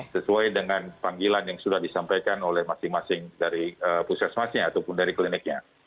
sesuai dengan panggilan yang sudah disampaikan oleh masing masing dari puskesmasnya ataupun dari kliniknya